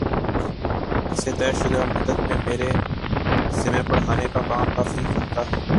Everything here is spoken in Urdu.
اِس طےشدہ مدت میں میرے ذمے پڑھانے کا کام کافی ہلکا ہے